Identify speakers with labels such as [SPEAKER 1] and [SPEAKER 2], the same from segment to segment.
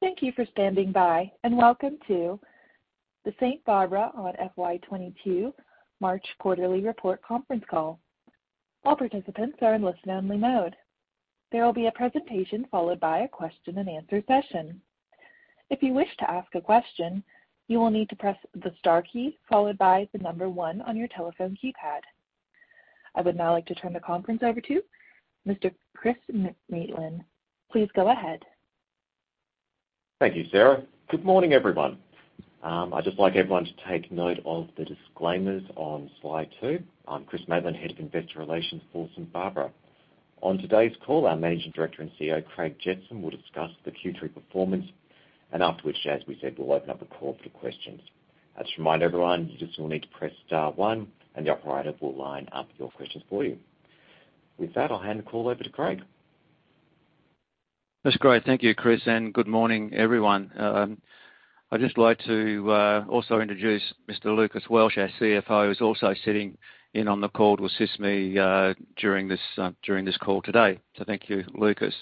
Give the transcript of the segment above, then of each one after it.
[SPEAKER 1] Thank you for standing by, and welcome to the St Barbara FY22 March quarterly report conference call. All participants are in listen-only mode. There will be a presentation followed by a question and answer session. If you wish to ask a question, you will need to press the star key followed by the number one on your telephone keypad. I would now like to turn the conference over to Mr. Chris Maitland. Please go ahead.
[SPEAKER 2] Thank you, Sarah. Good morning, everyone. I'd just like everyone to take note of the disclaimers on slide two. I'm Chris Maitland, Head of Investor Relations for St Barbara. On today's call, our Managing Director and CEO, Craig Jetson, will discuss the Q3 performance, and after which, as we said, we'll open up the call for questions. I'll just remind everyone, you just will need to press star one, and the operator will line up your questions for you. With that, I'll hand the call over to Craig.
[SPEAKER 3] That's great. Thank you, Chris, and good morning, everyone. I'd just like to also introduce Mr. Lucas Welsh, our CFO, who's also sitting in on the call to assist me during this call today. Thank you, Lucas.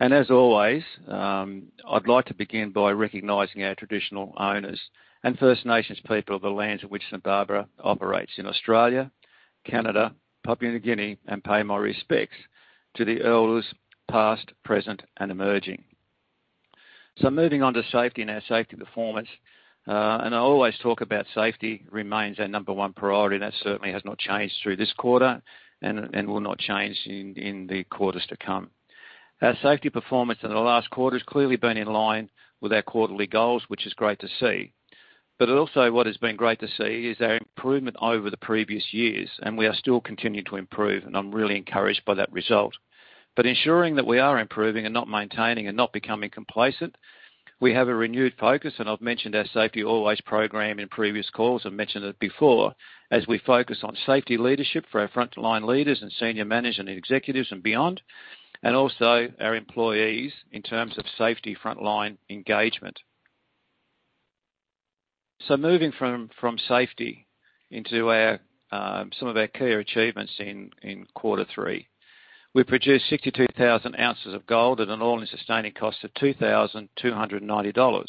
[SPEAKER 3] As always, I'd like to begin by recognizing our traditional owners and First Nations people of the lands in which St Barbara operates in Australia, Canada, Papua New Guinea, and pay my respects to the elders past, present, and emerging. Moving on to safety and our safety performance, and I always talk about safety remains our number one priority, and that certainly has not changed through this quarter and will not change in the quarters to come. Our safety performance in the last quarter has clearly been in line with our quarterly goals, which is great to see. Also what has been great to see is our improvement over the previous years, and we are still continuing to improve, and I'm really encouraged by that result. Ensuring that we are improving and not maintaining and not becoming complacent, we have a renewed focus, and I've mentioned our Safety Always program in previous calls. I've mentioned it before, as we focus on safety leadership for our frontline leaders and senior management executives and beyond, and also our employees in terms of safety frontline engagement. Moving from safety into some of our key achievements in quarter three. We produced 62,000 ounces of gold at an all-in sustaining cost of $2,290.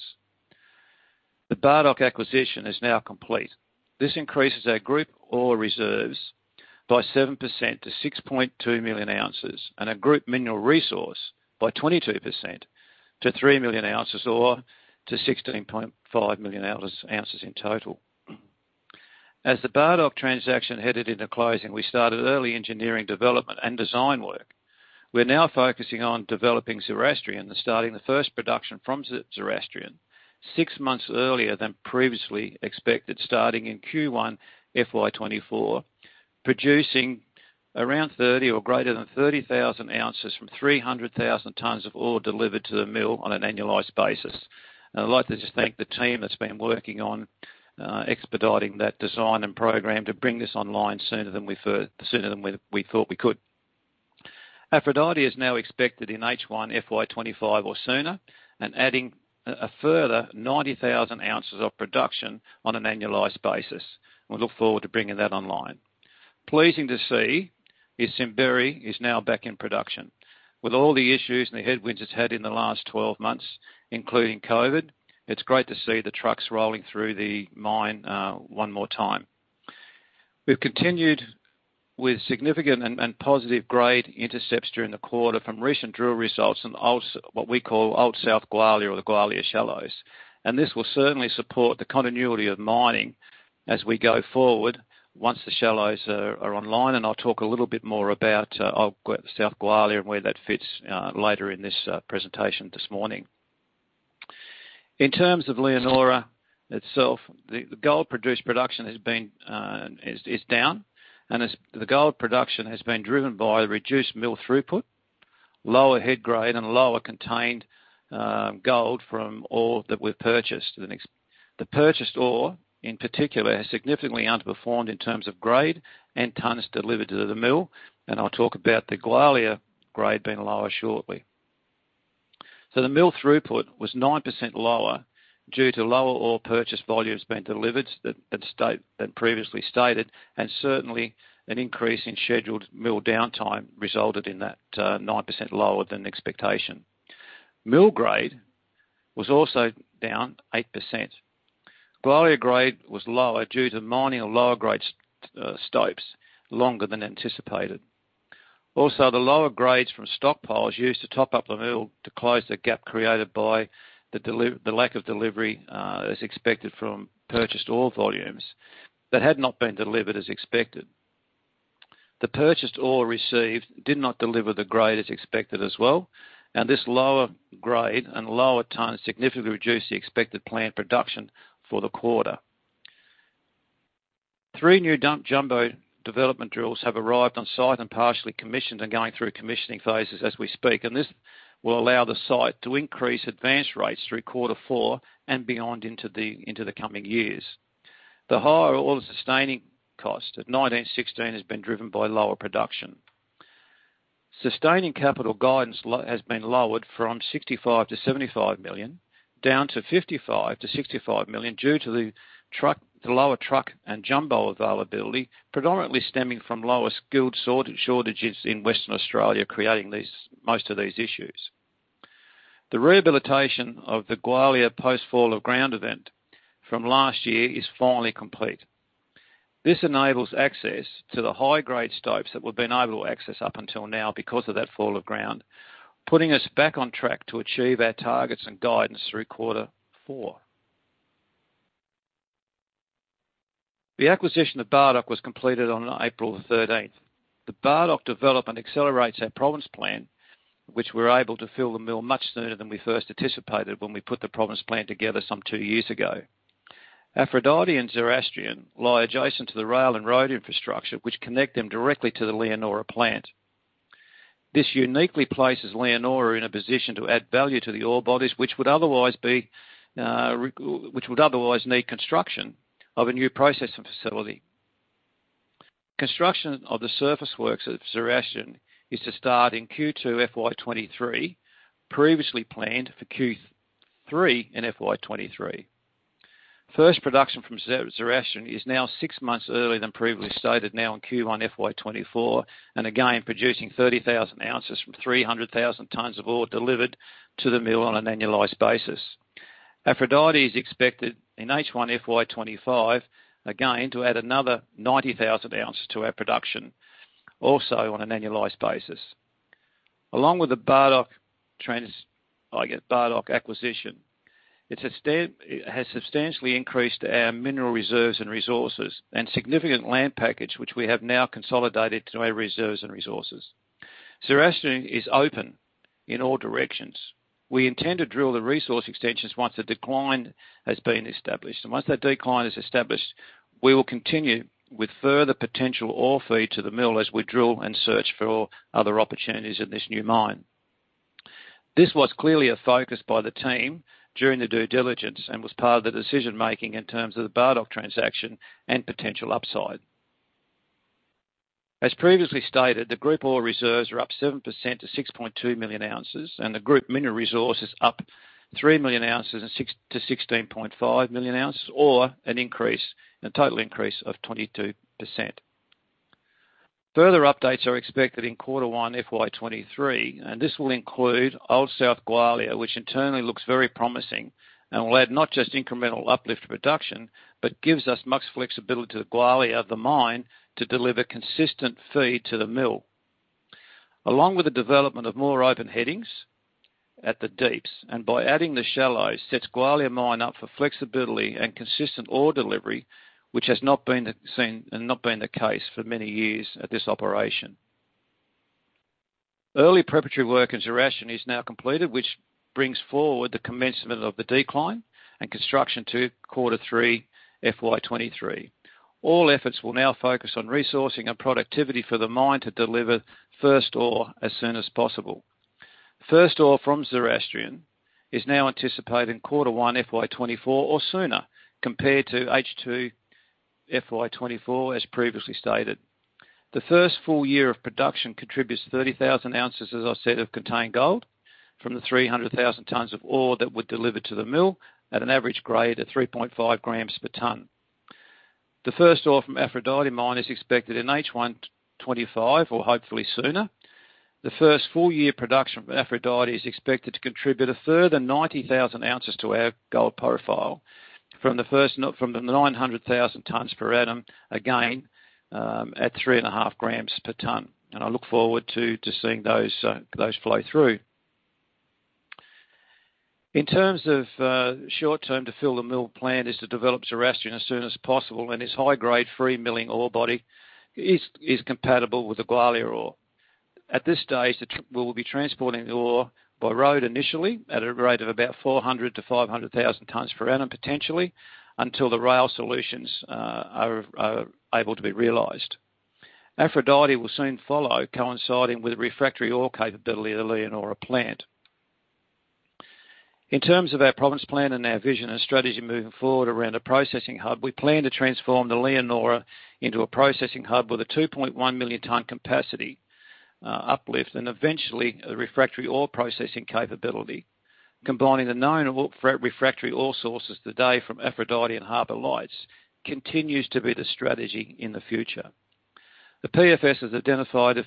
[SPEAKER 3] The Bardoc acquisition is now complete. This increases our group ore reserves by 7% to 6.2 million ounces and our group mineral resource by 22% to 3 million ounces or to 16.5 million ounces in total. As the Bardoc transaction headed into closing, we started early engineering development and design work. We're now focusing on developing Zoroastrian and starting the first production from Zoroastrian six months earlier than previously expected, starting in Q1 FY 2024, producing around 30 or greater than 30 thousand ounces from 300,000 tons of ore delivered to the mill on an annualized basis. I'd like to just thank the team that's been working on expediting that design and program to bring this online sooner than we thought we could. Aphrodite is now expected in H1 FY25 or sooner and adding a further 90,000 ounces of production on an annualized basis. We look forward to bringing that online. Pleasing to see is Simberi is now back in production. With all the issues and the headwinds it's had in the last 12 months, including COVID, it's great to see the trucks rolling through the mine one more time. We've continued with significant and positive grade intercepts during the quarter from recent drill results in what we call Old South Gwalia or the Gwalia Shallows. This will certainly support the continuity of mining as we go forward once the shallows are online, and I'll talk a little bit more about Old South Gwalia and where that fits later in this presentation this morning. In terms of Leonora itself, the gold production has been down, and the gold production has been driven by reduced mill throughput, lower head grade, and lower contained gold from ore that we've purchased. The purchased ore, in particular, has significantly underperformed in terms of grade and tons delivered to the mill, and I'll talk about the Gwalia grade being lower shortly. The mill throughput was 9% lower due to lower ore purchase volumes being delivered than previously stated, and certainly an increase in scheduled mill downtime resulted in that 9% lower than expectation. Mill grade was also down 8%. Gwalia grade was lower due to mining of lower grade stopes longer than anticipated. The lower grades from stockpiles used to top up the mill to close the gap created by the lack of delivery, as expected from purchased ore volumes that had not been delivered as expected. The purchased ore received did not deliver the grade as expected as well, and this lower grade and lower ton significantly reduced the expected plant production for the quarter. Three new dump jumbo development drills have arrived on site and partially commissioned and going through commissioning phases as we speak, and this will allow the site to increase advance rates through quarter four and beyond into the coming years. The higher ore sustaining cost of 1,916 has been driven by lower production. Sustaining capital guidance has been lowered from 65 million- 75 million down to 55 million-65 million due to the lower truck and jumbo availability, predominantly stemming from lower-skilled shortages in Western Australia, creating most of these issues. The rehabilitation of the Gwalia post fall of ground event from last year is finally complete. This enables access to the high-grade stopes that we haven't been able to access up until now because of that fall of ground, putting us back on track to achieve our targets and guidance through quarter four. The acquisition of Bardoc was completed on April 13. The Bardoc development accelerates our province plan, which we're able to fill the mill much sooner than we first anticipated when we put the province plan together some two years ago. Aphrodite and Zoroastrian lie adjacent to the rail and road infrastructure, which connect them directly to the Leonora plant. This uniquely places Leonora in a position to add value to the ore bodies which would otherwise need construction of a new processing facility. Construction of the surface works at Zoroastrian is to start in Q2 FY 2023, previously planned for Q3 in FY 2023. First production from Zoroastrian is now six months earlier than previously stated now in Q1 FY 2024, and again, producing 30,000 ounces from 300,000 tons of ore delivered to the mill on an annualized basis. Aphrodite is expected in H1 FY 2025, again, to add another 90,000 ounces to our production, also on an annualized basis. Along with the Bardoc acquisition, it has substantially increased our mineral reserves and resources and significant land package, which we have now consolidated to our reserves and resources. Zoroastrian is open in all directions. We intend to drill the resource extensions once the decline has been established. Once that decline is established, we will continue with further potential ore feed to the mill as we drill and search for other opportunities in this new mine. This was clearly a focus by the team during the due diligence and was part of the decision-making in terms of the Bardoc transaction and potential upside. As previously stated, the group ore reserves are up 7% to 6.2 million ounces, and the group mineral resource is up 3 million ounces to 16.5 million ounces, or an increase, a total increase of 22%. Further updates are expected in quarter one FY 2023, and this will include Old South Gwalia, which internally looks very promising and will add not just incremental uplift production, but gives us much flexibility to Gwalia, the mine, to deliver consistent feed to the mill. Along with the development of more open headings at the deeps and by adding the shallows, sets Gwalia Mine up for flexibility and consistent ore delivery, which has not been seen, and not been the case for many years at this operation. Early preparatory work in Zoroastrian is now completed, which brings forward the commencement of the decline and construction to quarter three FY 2023. All efforts will now focus on resourcing and productivity for the mine to deliver first ore as soon as possible. First ore from Zoroastrian is now anticipated in quarter one FY 2024 or sooner, compared to H2 FY 2024, as previously stated. The first full year of production contributes 30,000 ounces, as I said, of contained gold from the 300,000 tons of ore that were delivered to the mill at an average grade of 3.5 grams per ton. The first ore from Aphrodite Mine is expected in H1 2025 or hopefully sooner. The first full year production of Aphrodite is expected to contribute a further 90,000 ounces to our gold profile from the 900,000 tons per annum, again, at 3.5 grams per ton. I look forward to seeing those flow through. In terms of short-term to fill the mill plan is to develop Zoroastrian as soon as possible, and its high-grade free milling ore body is compatible with the Gwalia ore. At this stage, we will be transporting the ore by road initially at a rate of about 400,000-500,000 tons per annum, potentially, until the rail solutions are able to be realized. Aphrodite will soon follow, coinciding with the refractory ore capability of the Leonora plant. In terms of our Province Plan and our vision and strategy moving forward around a processing hub, we plan to transform the Leonora into a processing hub with a 2.1 million ton capacity uplift and eventually a refractory ore processing capability. Combining the known refractory ore sources today from Aphrodite and Harbour Lights continues to be the strategy in the future. The PFS has identified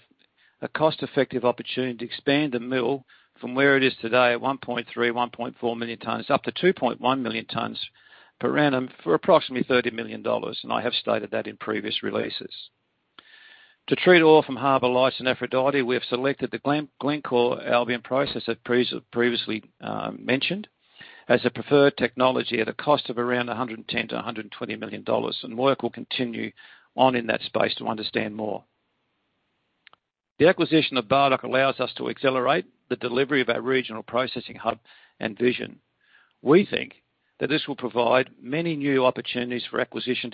[SPEAKER 3] a cost-effective opportunity to expand the mill from where it is today at 1.3-1.4 million tons up to 2.1 million tons per annum for approximately 30 million dollars, and I have stated that in previous releases. To treat ore from Harbour Lights and Aphrodite, we have selected the Glencore Albion Process as previously mentioned as a preferred technology at a cost of around 110 million-120 million dollars, and work will continue on in that space to understand more. The acquisition of Bardoc allows us to accelerate the delivery of our regional processing hub and vision. We think that this will provide many new opportunities for acquisitions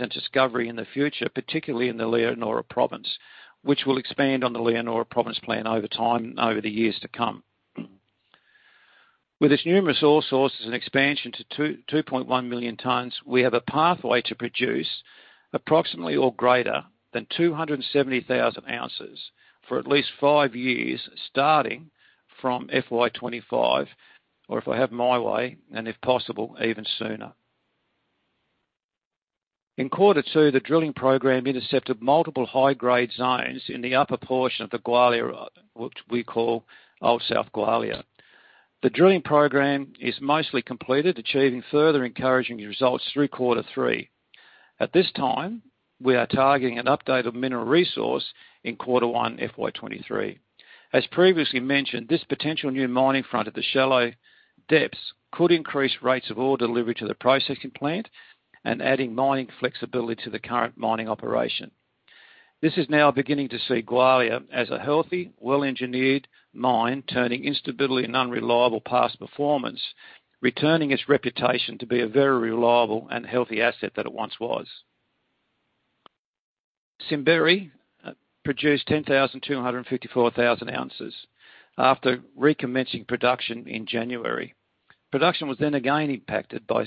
[SPEAKER 3] and discovery in the future, particularly in the Leonora Province, which will expand on the Leonora Province Plan over time, over the years to come. With its numerous ore sources and expansion to 2.1 million tons, we have a pathway to produce approximately or greater than 270,000 ounces for at least five years starting from FY 2025, or if I have my way, and if possible, even sooner. In quarter two, the drilling program intercepted multiple high-grade zones in the upper portion of the Gwalia, which we call Old South Gwalia. The drilling program is mostly completed, achieving further encouraging results through quarter three. At this time, we are targeting an update of mineral resource in quarter one FY 2023. As previously mentioned, this potential new mining front at the shallow depths could increase rates of ore delivery to the processing plant and adding mining flexibility to the current mining operation. This is now beginning to see Gwalia as a healthy, well-engineered mine, turning instability and unreliable past performance, returning its reputation to be a very reliable and healthy asset that it once was. Simberi produced 10,254 thousand ounces after recommencing production in January. Production was then again impacted by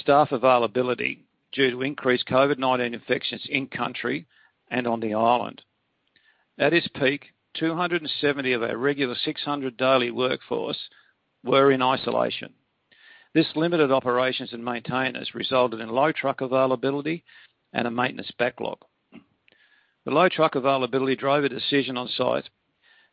[SPEAKER 3] staff availability due to increased COVID-19 infections in country and on the island. At its peak, 270 of our regular 600 daily workforce were in isolation. This limited operations and maintenance resulted in low truck availability and a maintenance backlog. The low truck availability drove a decision on site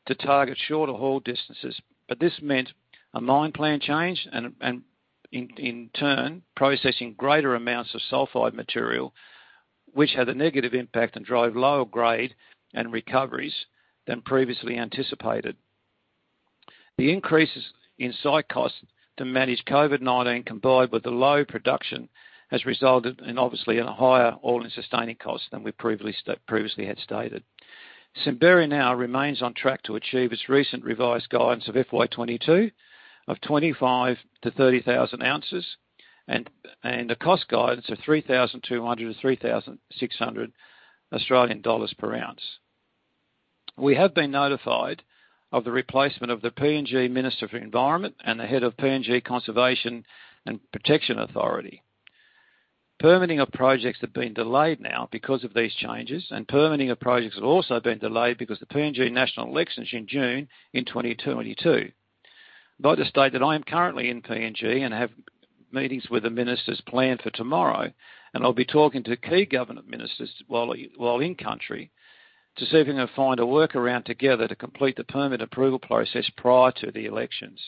[SPEAKER 3] to target shorter haul distances, but this meant a mine plan change and in turn processing greater amounts of sulfide material, which had a negative impact and drove lower grade and recoveries than previously anticipated. The increases in site costs to manage COVID-19, combined with the low production, has resulted in, obviously, in a higher all in sustaining cost than we previously had stated. Simberi now remains on track to achieve its recent revised guidance of FY 2022 of 25,000-30,000 ounces and a cost guidance of 3,200-3,600 Australian dollars per ounce. We have been notified of the replacement of the PNG Minister for Environment and the head of the PNG Conservation and Environment Protection Authority. Permitting of projects have been delayed now because of these changes, and permitting of projects have also been delayed because the PNG national elections in June 2022. I'd like to state that I am currently in PNG and have meetings with the ministers planned for tomorrow, and I'll be talking to key government ministers while in country to see if we can find a workaround together to complete the permit approval process prior to the elections.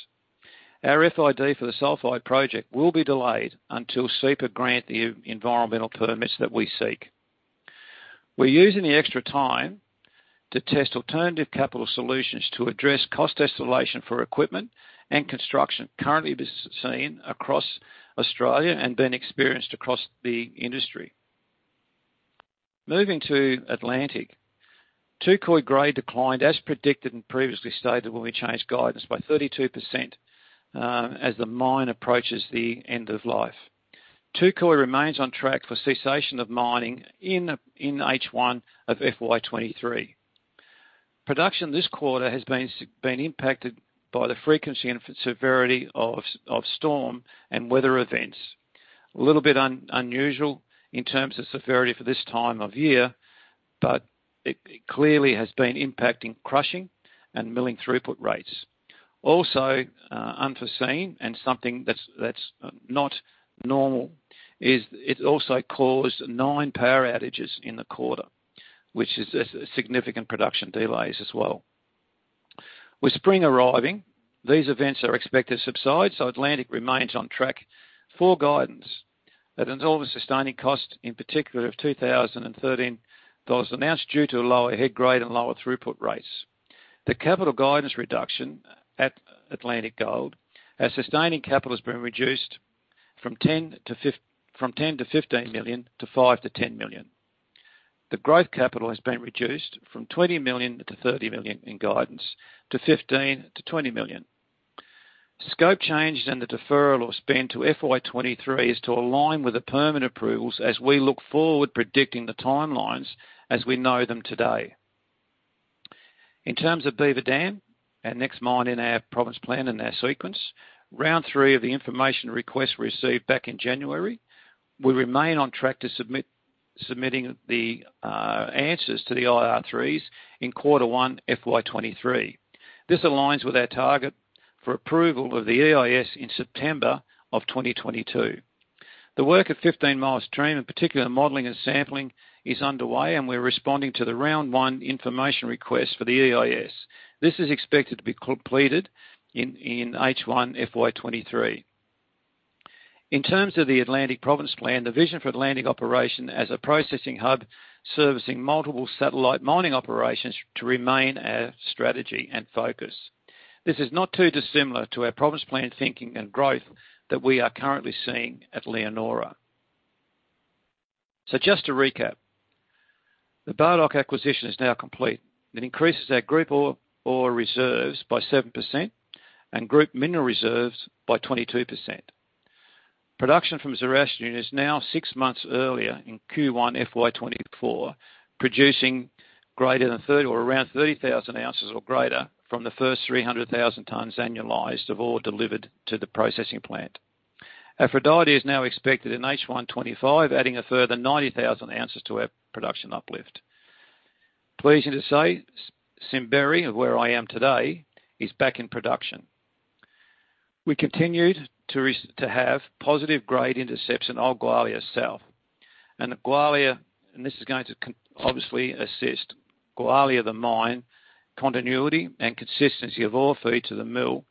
[SPEAKER 3] Our FID for the Sulfide Project will be delayed until CEPA grant the environmental permits that we seek. We're using the extra time to test alternative capital solutions to address cost escalation for equipment and construction. Currently, this is seen across Australia and been experienced across the industry. Moving to Atlantic, Touquoy grade declined, as predicted and previously stated when we changed guidance, by 32%, as the mine approaches the end of life. Touquoy remains on track for cessation of mining in H1 of FY 2023. Production this quarter has been impacted by the frequency and severity of storm and weather events. A little bit unusual in terms of severity for this time of year, but it clearly has been impacting crushing and milling throughput rates. Also, unforeseen and something that's not normal is it also caused 9 power outages in the quarter, which is significant production delays as well. With spring arriving, these events are expected to subside, so Atlantic Gold remains on track for guidance. That involves sustaining cost, in particular of 2,013 dollars announced due to lower head grade and lower throughput rates. The capital guidance reduction at Atlantic Gold as sustaining capital has been reduced from 10 million-15 million to 5 million-10 million. The growth capital has been reduced from 20 million-30 million in guidance to 15 million-20 million. Scope changes and the deferral of spend to FY 2023 is to align with the permit approvals as we look forward predicting the timelines as we know them today. In terms of Beaver Dam, our next mine in our province plan and our sequence, round three of the information request received back in January, we remain on track to submit the answers to the IR 3s in quarter one FY 2023. This aligns with our target for approval of the EIS in September 2022. The work at Fifteen Mile Stream, in particular, the modeling and sampling is underway, and we're responding to the round one information request for the EIS. This is expected to be completed in H1 FY23. In terms of the Atlantic Province Plan, the vision for Atlantic operation as a processing hub servicing multiple satellite mining operations to remain our strategy and focus. This is not too dissimilar to our province plan thinking and growth that we are currently seeing at Leonora. Just to recap, the Bardoc acquisition is now complete. It increases our group ore reserves by 7% and group mineral reserves by 22%. Production from Zoroastrian is now six months earlier in Q1 FY24, producing greater than thirty or around 30,000 ounces or greater from the first 300,000 tonnes annualized of ore delivered to the processing plant. Aphrodite is now expected in H1 2025, adding a further 90,000 ounces to our production uplift. Pleasing to say, Simberi, where I am today, is back in production. We continued to have positive grade intercepts of Old Gwalia South. Gwalia, this is going to obviously assist Gwalia the mine continuity and consistency of ore feed to the mill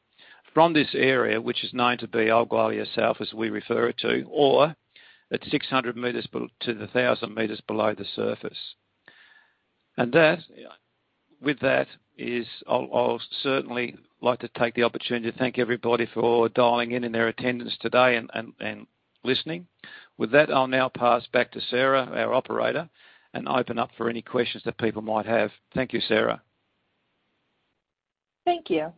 [SPEAKER 3] from this area, which is known to be Old Gwalia South as we refer to, ore at 600 meters to the 1,000 meters below the surface. With that, I'll certainly like to take the opportunity to thank everybody for dialing in and their attendance today and listening. With that, I'll now pass back to Sarah, our operator, and open up for any questions that people might have. Thank you, Sarah.
[SPEAKER 1] Thank you.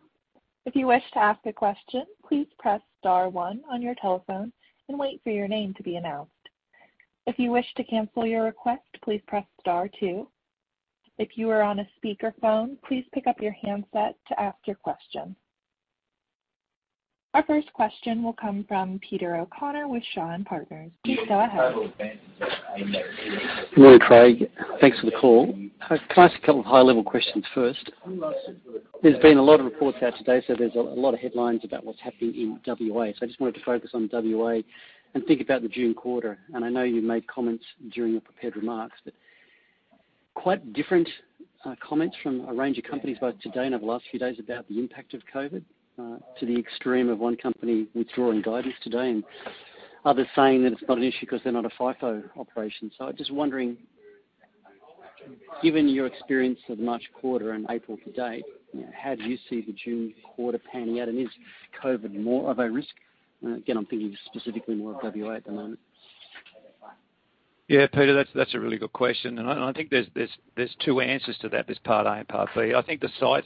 [SPEAKER 1] If you wish to ask a question, please press star one on your telephone and wait for your name to be announced. If you wish to cancel your request, please press star two. If you are on a speaker phone, please pick up your handset to ask your question. Our first question will come from Peter O'Connor with Shaw and Partners. Please go ahead.
[SPEAKER 4] Good morning, Craig. Thanks for the call. Can I ask a couple of high-level questions first? There's been a lot of reports out today, so there's a lot of headlines about what's happening in WA. I just wanted to focus on WA and think about the June quarter. I know you made comments during your prepared remarks, but quite different comments from a range of companies both today and over the last few days about the impact of COVID to the extreme of one company withdrawing guidance today and others saying that it's not an issue because they're not a FIFO operation. I'm just wondering, given your experience of the March quarter and April to date, you know, how do you see the June quarter panning out? Is COVID more of a risk? Again, I'm thinking specifically more of WA at the moment.
[SPEAKER 3] Yeah, Peter, that's a really good question. I think there's two answers to that. There's part A and part B. I think the site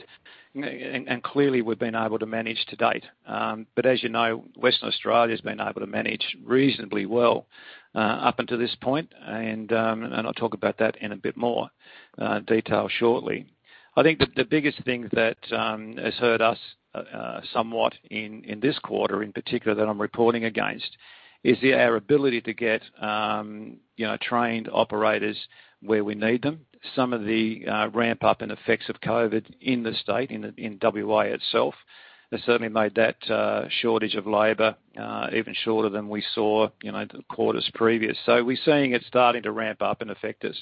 [SPEAKER 3] and clearly we've been able to manage to date. As you know, Western Australia's been able to manage reasonably well up until this point. I'll talk about that in a bit more detail shortly. I think the biggest thing that has hurt us somewhat in this quarter in particular that I'm reporting against is our ability to get you know, trained operators where we need them. Some of the ramp up and effects of COVID in the state, in WA itself, has certainly made that shortage of labor even shorter than we saw you know, the quarters previous. We're seeing it starting to ramp up and affect us.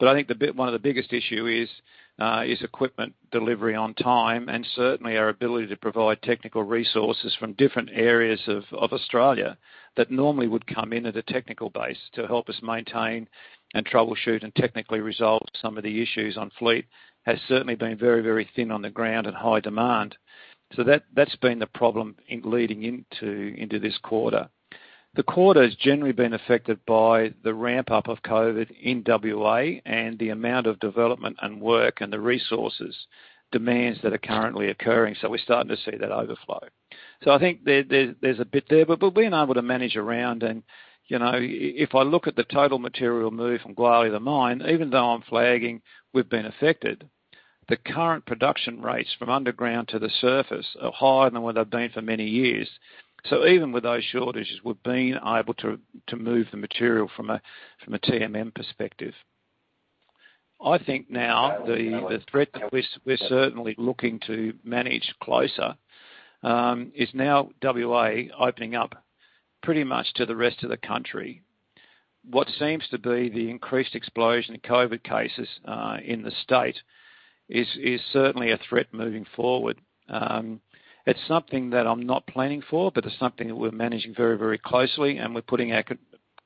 [SPEAKER 3] I think one of the biggest issue is equipment delivery on time, and certainly our ability to provide technical resources from different areas of Australia that normally would come in at a technical base to help us maintain and troubleshoot and technically resolve some of the issues on fleet has certainly been very, very thin on the ground and high demand. That's been the problem leading into this quarter. The quarter's generally been affected by the ramp up of COVID in WA and the amount of development and work and the resources demands that are currently occurring. We're starting to see that overflow. I think there's a bit there. We've been able to manage around and, you know, if I look at the total material move from Gwalia mine, even though I'm flagging we've been affected, the current production rates from underground to the surface are higher than what they've been for many years. Even with those shortages, we've been able to move the material from a TMM perspective. I think now the threat that we're certainly looking to manage closer is now WA opening up pretty much to the rest of the country. What seems to be the increased explosion in COVID cases in the state is certainly a threat moving forward. It's something that I'm not planning for, but it's something that we're managing very, very closely, and we're putting our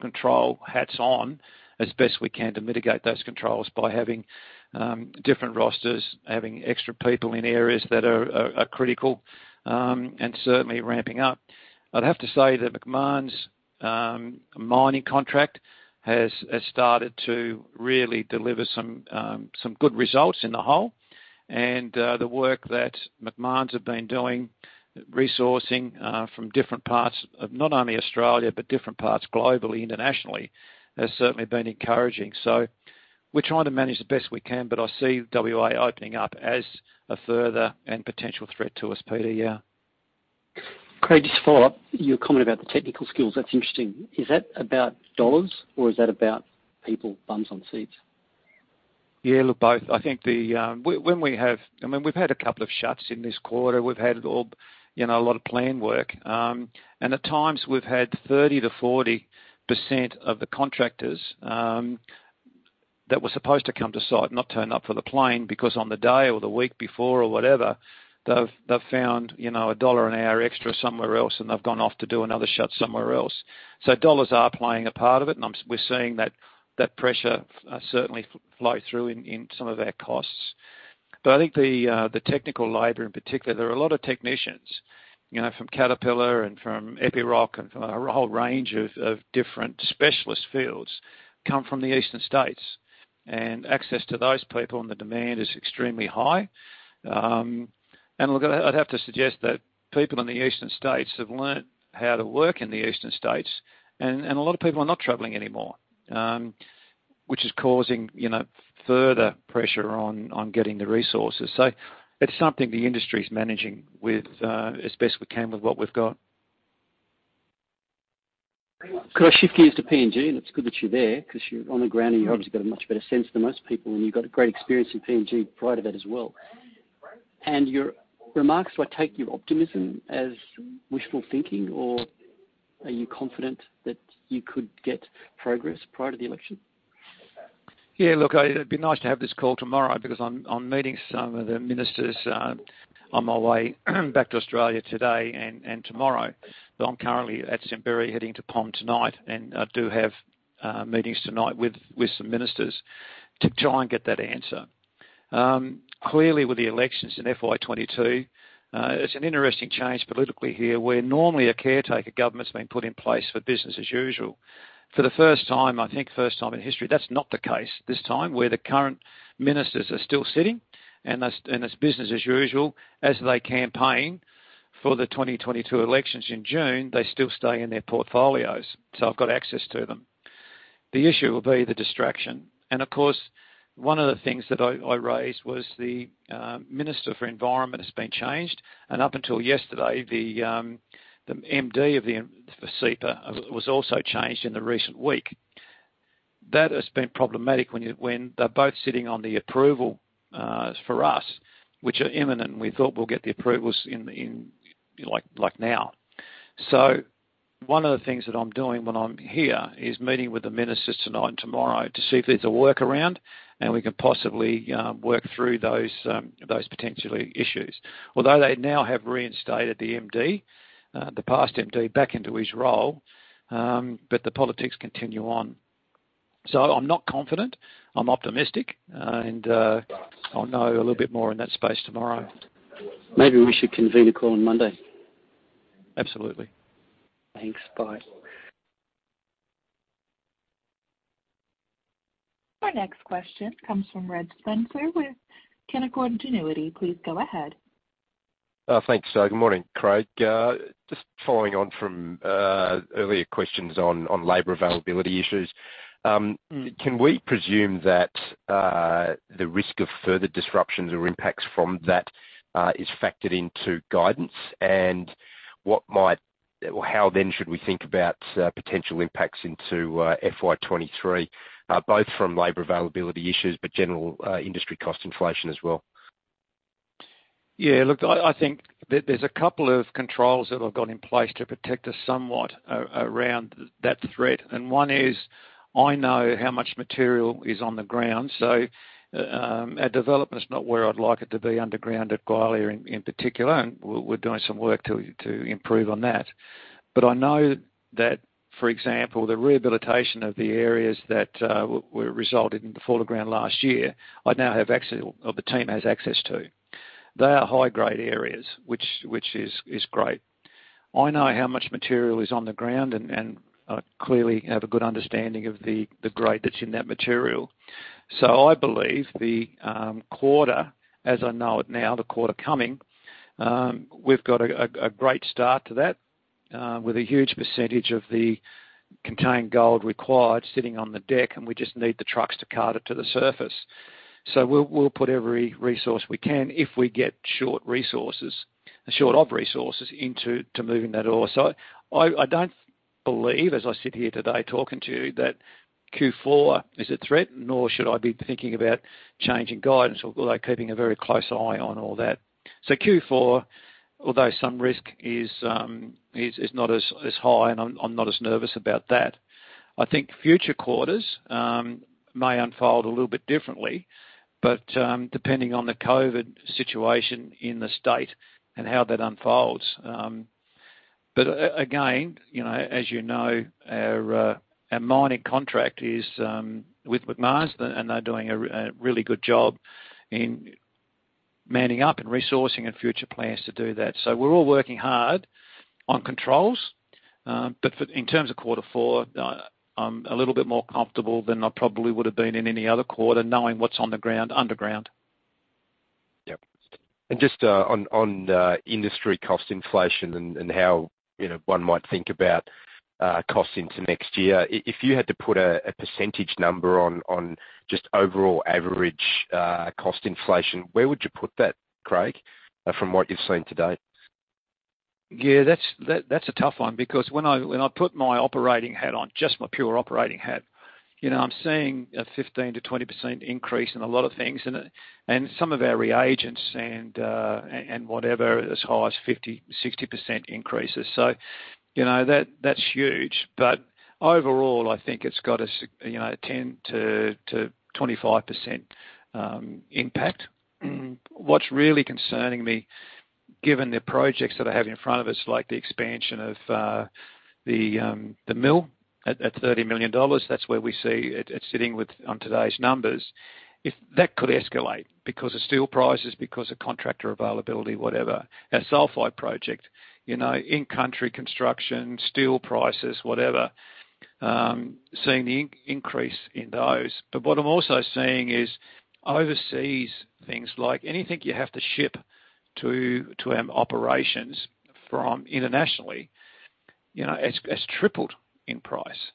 [SPEAKER 3] control hats on as best we can to mitigate those controls by having different rosters, having extra people in areas that are critical, and certainly ramping up. I'd have to say that Macmahon mining contract has started to really deliver some good results in the hole. The work that Macmahon have been doing, resourcing from different parts of not only Australia, but different parts globally, internationally, has certainly been encouraging. We're trying to manage the best we can, but I see WA opening up as a further and potential threat to us, Peter. Yeah.
[SPEAKER 4] Craig, just to follow up. Your comment about the technical skills, that's interesting. Is that about dollars or is that about people, bums on seats?
[SPEAKER 3] Yeah, look, both. I think that when we have, I mean, we've had a couple of shuts in this quarter. We've had, you know, a lot of planned work. At times we've had 30%-40% of the contractors that were supposed to come to site not turn up for the plane because on the day or the week before or whatever, they've found, you know, a dollar an hour extra somewhere else and they've gone off to do another shut somewhere else. Dollars are playing a part of it, and we're seeing that pressure certainly flow through in some of our costs. I think the technical labor in particular, there are a lot of technicians, you know, from Caterpillar and from Epiroc and from a whole range of different specialist fields come from the eastern states. Access to those people and the demand is extremely high. Look, I'd have to suggest that people in the eastern states have learned how to work in the eastern states, and a lot of people are not traveling anymore, which is causing, you know, further pressure on getting the resources. It's something the industry is managing with as best we can with what we've got.
[SPEAKER 4] Could I shift gears to PNG? It's good that you're there because you're on the ground, and you obviously got a much better sense than most people, and you've got a great experience in PNG prior to that as well. Your remarks, do I take your optimism as wishful thinking, or are you confident that you could get progress prior to the election?
[SPEAKER 3] Yeah, look, it'd be nice to have this call tomorrow because I'm meeting some of the ministers on my way back to Australia today and tomorrow. I'm currently at Simberi heading to Pom tonight, and I do have meetings tonight with some ministers to try and get that answer. Clearly, with the elections in FY22, it's an interesting change politically here, where normally a caretaker government's been put in place for business as usual. For the first time, I think first time in history, that's not the case this time, where the current ministers are still sitting, and it's business as usual as they campaign for the 2022 elections in June, they still stay in their portfolios, so I've got access to them. The issue will be the distraction. Of course, one of the things that I raised was the minister for environment has been changed. Up until yesterday, the MD for CEPA was also changed in the recent week. That has been problematic. They're both sitting on the approval for us, which are imminent, and we thought we'll get the approvals in like now. One of the things that I'm doing when I'm here is meeting with the ministers tonight and tomorrow to see if there's a workaround and we can possibly work through those potential issues. They now have reinstated the MD, the past MD back into his role, but the politics continue on. I'm not confident. I'm optimistic, and I'll know a little bit more in that space tomorrow.
[SPEAKER 4] Maybe we should convene a call on Monday.
[SPEAKER 3] Absolutely.
[SPEAKER 4] Thanks. Bye.
[SPEAKER 1] Our next question comes from Reg Spencer with Canaccord Genuity. Please go ahead.
[SPEAKER 5] Thanks. Good morning, Craig. Just following on from earlier questions on labor availability issues. Can we presume that the risk of further disruptions or impacts from that is factored into guidance? How then should we think about potential impacts into FY23, both from labor availability issues but general industry cost inflation as well?
[SPEAKER 3] Yeah. Look, I think there's a couple of controls that I've got in place to protect us somewhat around that threat. One is, I know how much material is on the ground. Our development is not where I'd like it to be underground at Gwalia in particular, and we're doing some work to improve on that. I know that, for example, the rehabilitation of the areas that resulted in the fall of ground last year, I now have access or the team has access to. They are high-grade areas, which is great. I know how much material is on the ground and I clearly have a good understanding of the grade that's in that material. I believe the quarter, as I know it now, the quarter coming, we've got a great start to that, with a huge percentage of the contained gold required sitting on the deck, and we just need the trucks to cart it to the surface. We'll put every resource we can if we get short of resources into moving that ore. I don't believe, as I sit here today talking to you, that Q4 is a threat, nor should I be thinking about changing guidance. Although keeping a very close eye on all that. Q4, although some risk is not as high, and I'm not as nervous about that. I think future quarters may unfold a little bit differently, but depending on the COVID situation in the state and how that unfolds. Again, you know, as you know, our mining contract is with Macmahon, and they're doing a really good job in manning up and resourcing and future plans to do that. We're all working hard on controls. In terms of quarter four, I'm a little bit more comfortable than I probably would have been in any other quarter, knowing what's on the ground, underground.
[SPEAKER 5] Yep. Just on industry cost inflation and how, you know, one might think about costs into next year. If you had to put a percentage number on just overall average cost inflation, where would you put that, Craig, from what you've seen to date?
[SPEAKER 3] Yeah, that's a tough one because when I put my operating hat on, just my pure operating hat, you know, I'm seeing a 15%-20% increase in a lot of things. Some of our reagents and whatever, as high as 50%-60% increases. You know, that's huge. Overall, I think it's got a you know, a 10%-25% impact. What's really concerning me, given the projects that I have in front of us, like the expansion of the mill at 30 million dollars, that's where we see it sitting on today's numbers. That could escalate because of steel prices, because of contractor availability, whatever. Our sulfide project, you know, in-country construction, steel prices, whatever, seeing the increase in those. What I'm also seeing is overseas things, like anything you have to ship to our operations from internationally, you know, it's tripled in price.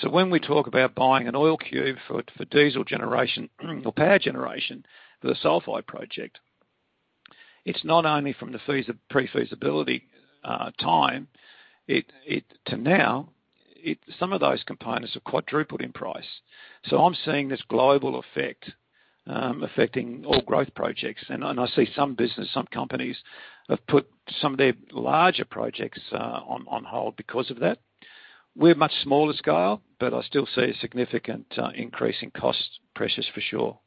[SPEAKER 3] So when we talk about buying an oil cube for diesel generation or power generation for the sulfide project. It's not only from the fees of pre-feasibility time to now, some of those components have quadrupled in price. So I'm seeing this global effect affecting all growth projects. I see some business, some companies have put some of their larger projects on hold because of that. We're much smaller scale, but I still see a significant increase in cost pressures for sure.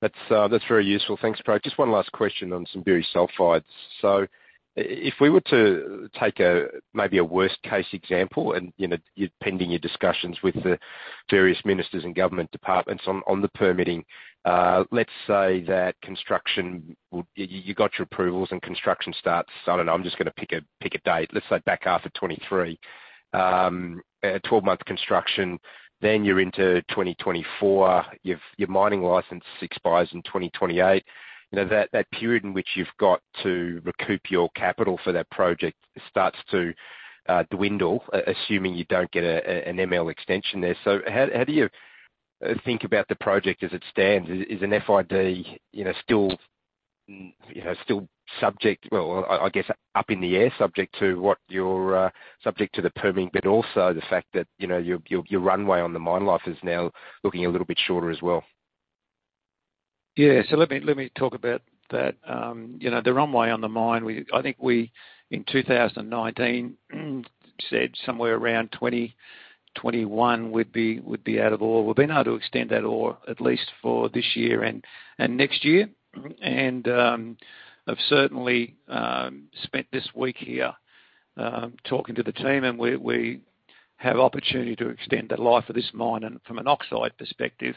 [SPEAKER 5] That's very useful. Thanks, Craig. Just one last question on some Simberi sulfides. If we were to take a maybe a worst case example and, you know, you're pending your discussions with the various ministers and government departments on the permitting. Let's say that you got your approvals and construction starts. I don't know, I'm just gonna pick a date. Let's say back half of 2023. A 12-month construction, then you're into 2024. Your mining license expires in 2028. You know, that period in which you've got to recoup your capital for that project starts to dwindle, assuming you don't get an ML extension there. How do you think about the project as it stands? Is an FID still subject. Well, I guess up in the air, subject to the permitting, but also the fact that, you know, your runway on the mine life is now looking a little bit shorter as well.
[SPEAKER 3] Yeah. Let me talk about that. You know, the runway on the mine, I think we, in 2019, said somewhere around 2021 we'd be out of ore. We've been able to extend that ore at least for this year and next year. I've certainly spent this week here talking to the team, and we have opportunity to extend the life of this mine and from an oxide perspective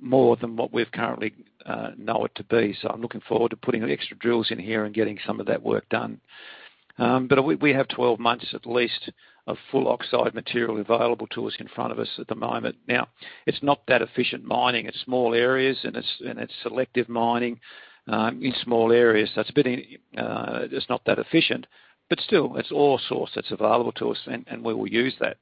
[SPEAKER 3] more than what we've currently know it to be. I'm looking forward to putting the extra drills in here and getting some of that work done. But we have 12 months at least of full oxide material available to us in front of us at the moment. Now, it's not that efficient mining. It's small areas and it's selective mining in small areas. It's a bit inefficient. Still, it's ore source that's available to us, and we will use that.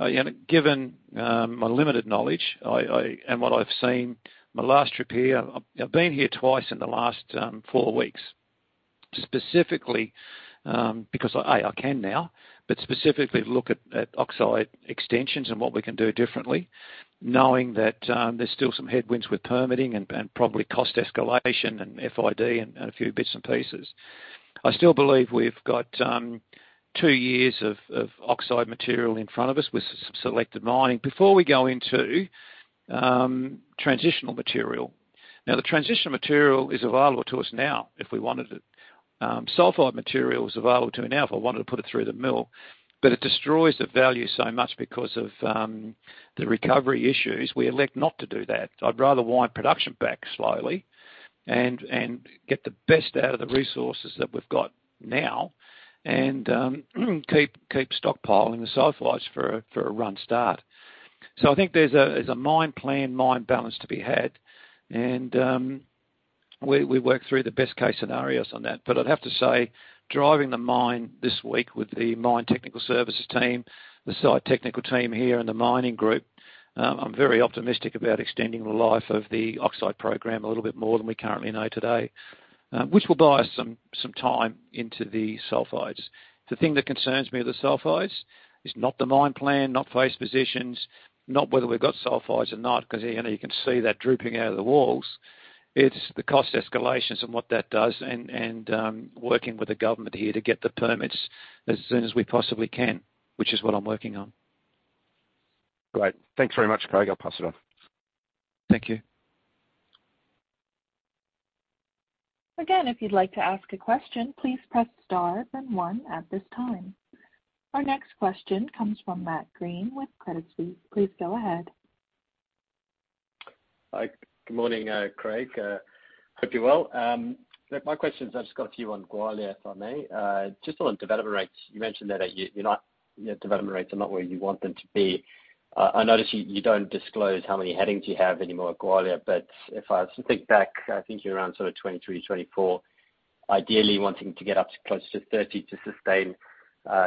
[SPEAKER 3] You know, given my limited knowledge and what I've seen on my last trip here, I've been here twice in the last 4 weeks, specifically because I can now, but specifically to look at oxide extensions and what we can do differently. Knowing that, there's still some headwinds with permitting and probably cost escalation and FID and a few bits and pieces. I still believe we've got two years of oxide material in front of us with selected mining before we go into transitional material. Now, the transitional material is available to us now, if we wanted it. Sulfide material is available to me now if I wanted to put it through the mill, but it destroys the value so much because of the recovery issues. We elect not to do that. I'd rather wind production back slowly and get the best out of the resources that we've got now and keep stockpiling the sulfides for a run start. I think there's a mine plan, mine balance to be had, and we work through the best case scenarios on that. I'd have to say, driving the mine this week with the mine technical services team, the site technical team here and the mining group, I'm very optimistic about extending the life of the oxide program a little bit more than we currently know today, which will buy us some time into the sulfides. The thing that concerns me with the sulfides is not the mine plan, not face positions, not whether we've got sulfides or not, 'cause, you know, you can see that drooping out of the walls. It's the cost escalations and what that does and working with the government here to get the permits as soon as we possibly can, which is what I'm working on.
[SPEAKER 5] Great. Thanks very much, Craig. I'll pass it on.
[SPEAKER 3] Thank you.
[SPEAKER 1] Again, if you'd like to ask a question, please press star then one at this time. Our next question comes from Matt Greene with Credit Suisse. Please go ahead.
[SPEAKER 6] Hi. Good morning, Craig. Hope you're well. Look, my question is I've just got a few on Gwalia, if I may. Just on development rates, you mentioned that you're not, you know, development rates are not where you want them to be. I notice you don't disclose how many headings you have anymore at Gwalia, but if I think back, I think you're around sort of 23, 24, ideally wanting to get up to close to 30 to sustain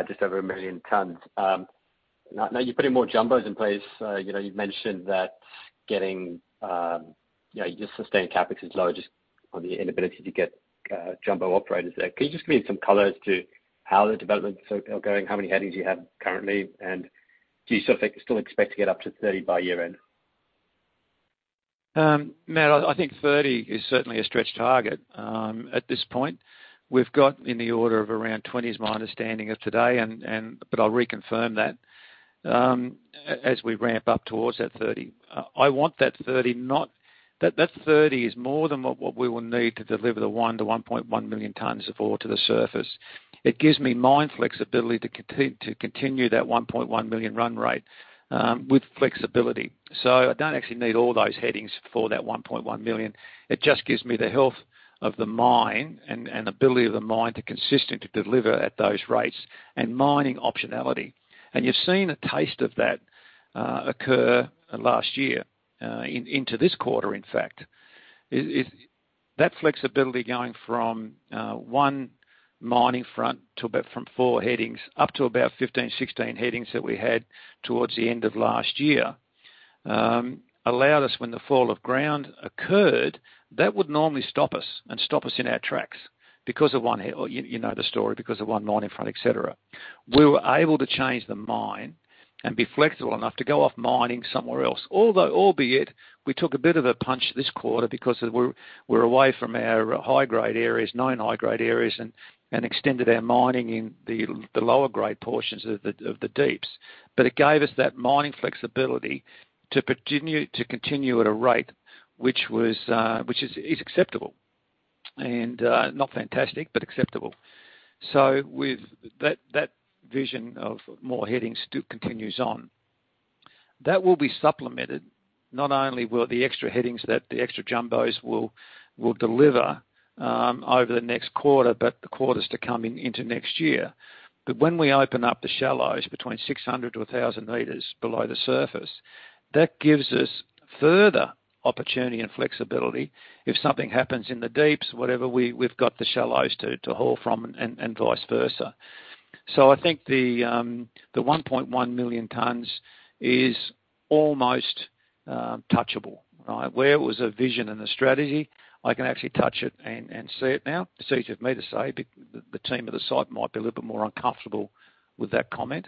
[SPEAKER 6] just over 1 million tons. Now you're putting more jumbos in place. You know, you've mentioned that getting, you know, your sustained CapEx is low just on the inability to get jumbo operators there. Can you just give me some color as to how the developments are going, how many headings you have currently, and do you still expect to get up to 30 by year-end?
[SPEAKER 3] Matt, I think 30 is certainly a stretch target at this point. We've got in the order of around 20, is my understanding of today, but I'll reconfirm that as we ramp up towards that 30. I want that 30. That 30 is more than what we will need to deliver the 1 to 1.1 million tons of ore to the surface. It gives me mine flexibility to continue that 1.1 million run rate with flexibility. So I don't actually need all those headings for that 1.1 million. It just gives me the health of the mine and ability of the mine to consistently deliver at those rates and mining optionality. You've seen a taste of that occur last year into this quarter, in fact. That flexibility going from one mining front to about four headings up to about 15, 16 headings that we had towards the end of last year allowed us when the fall of ground occurred. That would normally stop us in our tracks because of one heading. You know the story, because of one mining front, et cetera. We were able to change the mine and be flexible enough to go off mining somewhere else. Although albeit, we took a bit of a punch this quarter because we're away from our high-grade areas, known high-grade areas, and extended our mining in the lower grade portions of the deeps. It gave us that mining flexibility to continue at a rate which is acceptable and not fantastic, but acceptable. With that vision of more headings, though, continues on. That will be supplemented, not only will the extra headings that the extra jumbos will deliver over the next quarter, but the quarters to come into next year. When we open up the shallows between 600-1,000 meters below the surface, that gives us further opportunity and flexibility. If something happens in the deeps, whatever, we've got the shallows to haul from and vice versa. I think the 1.1 million tons is almost touchable, right? Where it was a vision and a strategy, I can actually touch it and see it now. It's easy for me to say, the team at the site might be a little bit more uncomfortable with that comment.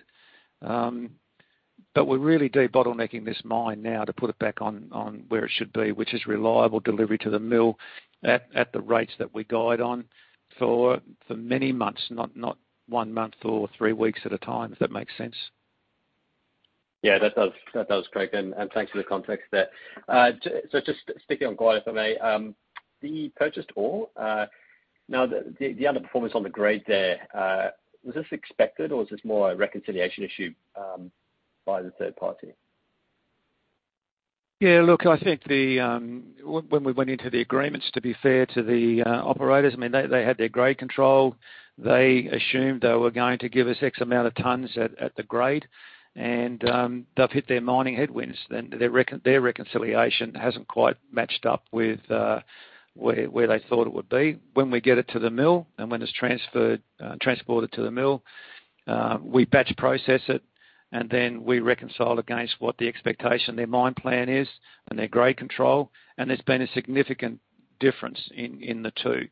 [SPEAKER 3] We're really debottlenecking this mine now to put it back on where it should be, which is reliable delivery to the mill at the rates that we guide on for many months, not one month or three weeks at a time, if that makes sense.
[SPEAKER 6] Yeah, that does, Craig, and thanks for the context there. Just sticking on guide, if I may. The purchased ore, now the underperformance on the grade there, was this expected or was this more a reconciliation issue by the third party?
[SPEAKER 3] Yeah, look, I think when we went into the agreements to be fair to the operators, I mean, they had their grade control. They assumed they were going to give us X amount of tons at the grade, and they've hit their mining headwinds. Their reconciliation hasn't quite matched up with where they thought it would be. When we get it to the mill, and when it's transferred, transported to the mill, we batch process it, and then we reconcile against what the expectation their mine plan is and their grade control. There's been a significant difference in the two.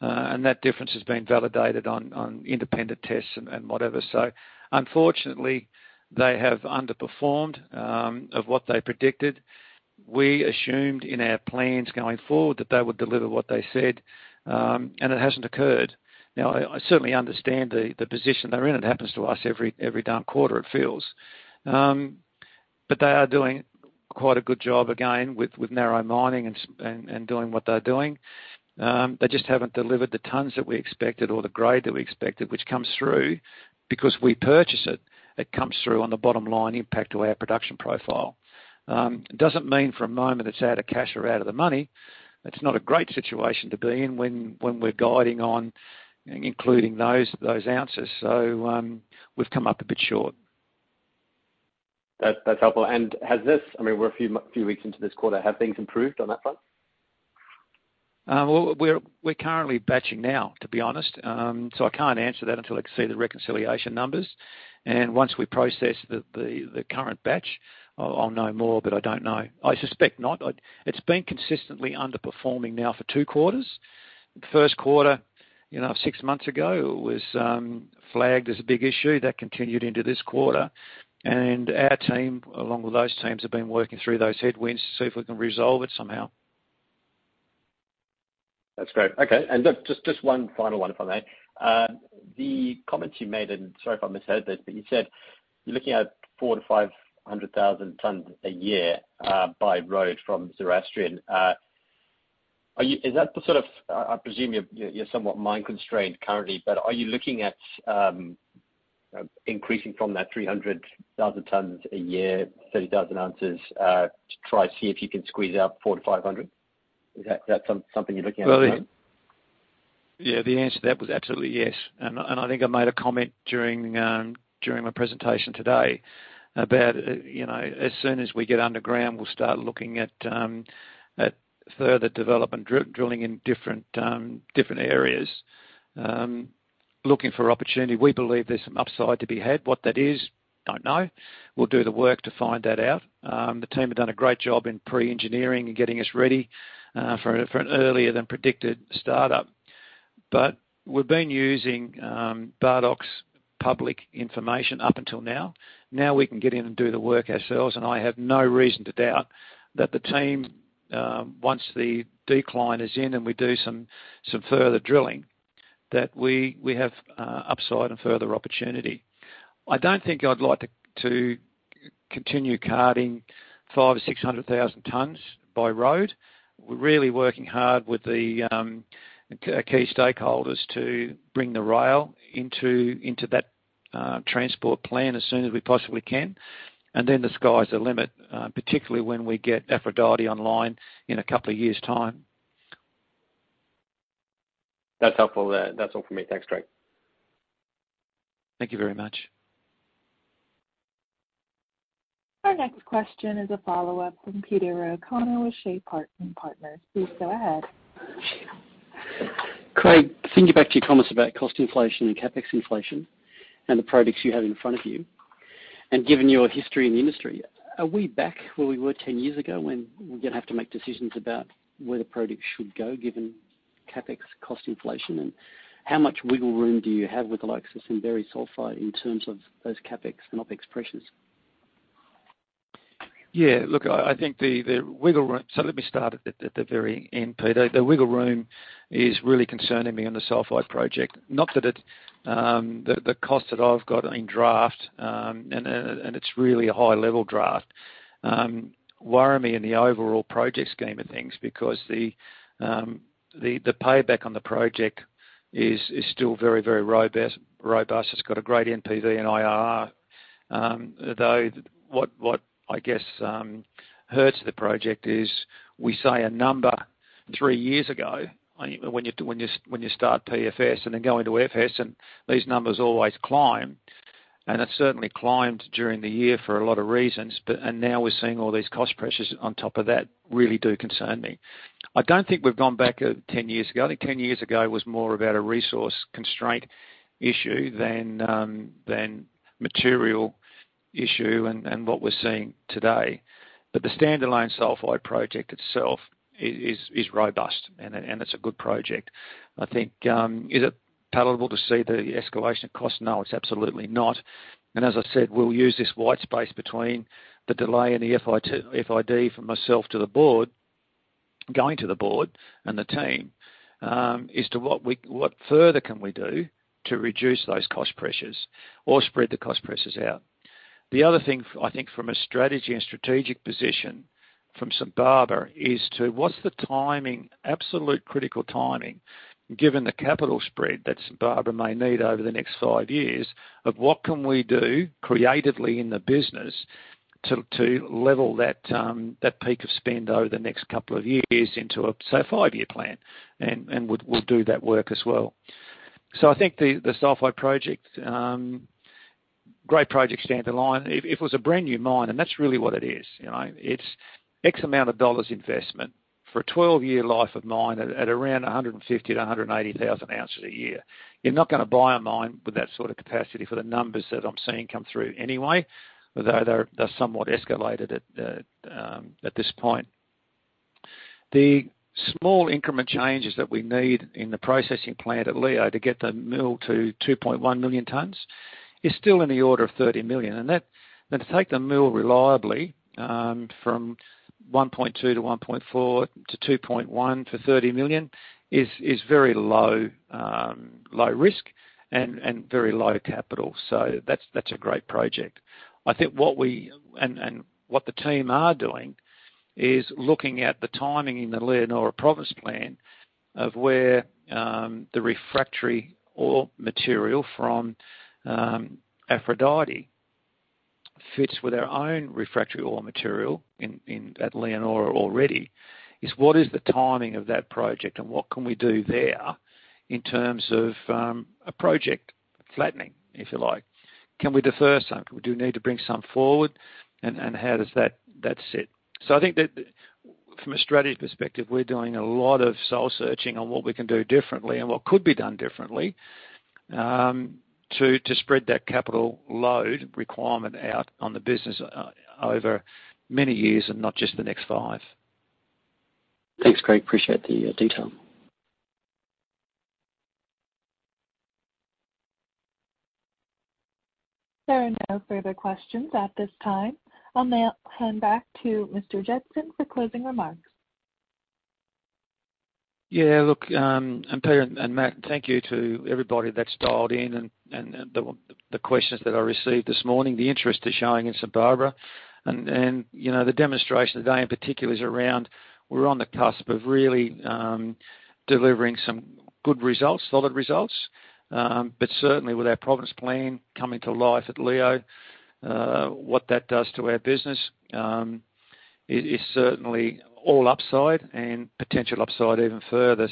[SPEAKER 3] That difference has been validated on independent tests and whatever. Unfortunately, they have underperformed of what they predicted. We assumed in our plans going forward that they would deliver what they said, and it hasn't occurred. Now, I certainly understand the position they're in. It happens to us every damn quarter it feels. They are doing quite a good job again with narrow mining and doing what they're doing. They just haven't delivered the tons that we expected or the grade that we expected, which comes through. Because we purchase it comes through on the bottom line impact to our production profile. It doesn't mean for a moment it's out of cash or out of the money. It's not a great situation to be in when we're guiding on including those ounces. We've come up a bit short.
[SPEAKER 6] That's helpful. Has this, I mean, we're a few weeks into this quarter, have things improved on that front?
[SPEAKER 3] Well, we're currently batching now, to be honest. So I can't answer that until I can see the reconciliation numbers. Once we process the current batch, I'll know more, but I don't know. I suspect not. It's been consistently underperforming now for two quarters. First quarter, you know, six months ago, it was flagged as a big issue. That continued into this quarter. Our team, along with those teams, have been working through those headwinds to see if we can resolve it somehow.
[SPEAKER 6] That's great. Okay. Look, just one final one, if I may. The comments you made, and sorry if I misheard this, but you said you're looking at 400,000-500,000 tons a year, by road from Zoroastrian. Is that the sort of... I presume you're somewhat mine constrained currently, but are you looking at increasing from that 300,000 tons a year, 30,000 ounces, to try to see if you can squeeze out 400-500? Is that something you're looking at at the moment?
[SPEAKER 3] Well, yeah, the answer to that was absolutely yes. I think I made a comment during my presentation today about, you know, as soon as we get underground, we'll start looking at further development drilling in different areas, looking for opportunity. We believe there's some upside to be had. What that is? Don't know. We'll do the work to find that out. The team have done a great job in pre-engineering and getting us ready for an earlier than predicted startup. We've been using Bardoc public information up until now. Now we can get in and do the work ourselves, and I have no reason to doubt that the team, once the decline is in and we do some further drilling, that we have upside and further opportunity. I don't think I'd like to continue carting 500,000-600,000 tons by road. We're really working hard with the key stakeholders to bring the rail into that transport plan as soon as we possibly can. Then the sky's the limit, particularly when we get Aphrodite online in a couple of years' time.
[SPEAKER 6] That's helpful. That's all for me. Thanks, Craig.
[SPEAKER 3] Thank you very much.
[SPEAKER 1] Our next question is a follow-up from Peter O'Connor with Shaw and Partners. Please go ahead.
[SPEAKER 4] Craig, thinking back to your comments about cost inflation and CapEx inflation and the projects you have in front of you, and given your history in the industry, are we back where we were 10 years ago when we're gonna have to make decisions about where the project should go given CapEx cost inflation? How much wiggle room do you have with the likes of St Barbara Sulphide in terms of those CapEx and OpEx pressures?
[SPEAKER 3] Yeah. Look, I think the wiggle room. Let me start at the very end, Peter. The wiggle room is really concerning me on the Sulphide project. Not that the cost that I've got in draft, and it's really a high-level draft, worry me in the overall project scheme of things because the payback on the project is still very robust. It's got a great NPV and IRR. Though what I guess hurts the project is we say a number three years ago, when you start PFS and then go into FS, and these numbers always climb, and they certainly climbed during the year for a lot of reasons. Now we're seeing all these cost pressures on top of that really do concern me. I don't think we've gone back 10 years ago. I think 10 years ago was more about a resource constraint issue than than material issue and and what we're seeing today. The standalone Sulphide project itself is robust and it's a good project. I think is it palatable to see the escalation cost? No, it's absolutely not. As I said, we'll use this white space between the delay in the FID from myself to the board, going to the board and the team is to what further can we do to reduce those cost pressures or spread the cost pressures out. The other thing I think from a strategy and strategic position from St Barbara is to what's the absolute critical timing, given the capital spread that St Barbara may need over the next five years, of what can we do creatively in the business to level that peak of spend over the next couple of years into a five-year plan? We'll do that work as well. I think the Sulphide project, great project stand alone. If it was a brand-new mine, and that's really what it is, you know. It's X amount of dollars investment for a 12-year life of mine at around 150,000-180,000 ounces a year. You're not gonna buy a mine with that sort of capacity for the numbers that I'm seeing come through anyway, although they're somewhat escalated at this point. The small increment changes that we need in the processing plant at Leonora to get the mill to 2.1 million tons is still in the order of 30 million. That to take the mill reliably from 1.2 to 1.4 to 2.1 for 30 million is very low risk and very low capital. That's a great project. I think what we and what the team are doing is looking at the timing in the Leonora Province Plan of where the refractory ore material from Aphrodite fits with our own refractory ore material in at Leonora already, is what is the timing of that project and what can we do there in terms of a project flattening, if you like. Can we defer some? Do we need to bring some forward, and how does that sit? I think that from a strategy perspective, we're doing a lot of soul searching on what we can do differently and what could be done differently, to spread that capital load requirement out on the business over many years and not just the next five.
[SPEAKER 4] Thanks, Craig. Appreciate the detail.
[SPEAKER 1] There are no further questions at this time. I'll now hand back to Mr. Jetson for closing remarks.
[SPEAKER 3] Yeah. Look, Peter and Matt, thank you to everybody that's dialed in and the questions that I received this morning, the interest they're showing in St Barbara. You know, the demonstration today in particular is around we're on the cusp of really delivering some good results, solid results. Certainly with our Province Plan coming to life at Leonora, what that does to our business is certainly all upside and potential upside even further.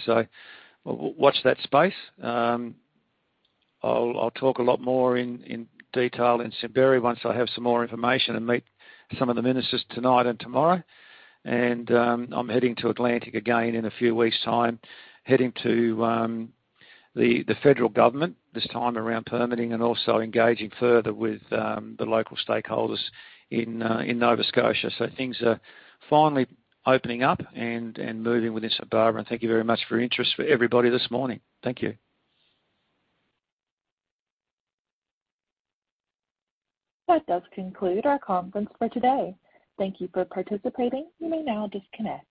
[SPEAKER 3] Watch that space. I'll talk a lot more in detail in St Barbara once I have some more information and meet some of the ministers tonight and tomorrow. I'm heading to Atlantic again in a few weeks' time, heading to the federal government this time around permitting and also engaging further with the local stakeholders in Nova Scotia. Things are finally opening up and moving within St Barbara. Thank you very much for your interest for everybody this morning. Thank you.
[SPEAKER 1] That does conclude our conference for today. Thank you for participating. You may now disconnect.